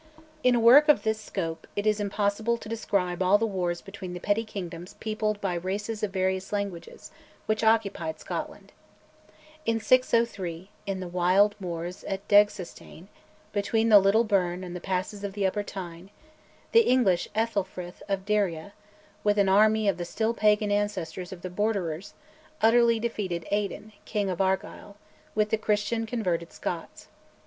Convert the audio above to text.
In a work of this scope, it is impossible to describe all the wars between the petty kingdoms peopled by races of various languages, which occupied Scotland. In 603, in the wild moors at Degsastane, between the Liddel burn and the passes of the Upper Tyne, the English Aethelfrith of Deira, with an army of the still pagan ancestors of the Borderers, utterly defeated Aidan, King of Argyll, with the Christian converted Scots.